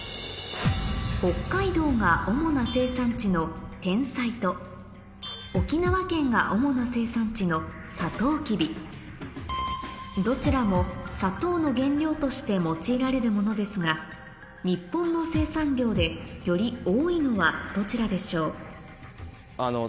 北海道が主な生産地のテンサイと沖縄県が主な生産地のサトウキビどちらも砂糖の原料として用いられるものですが日本の生産量でより多いのはどちらでしょう？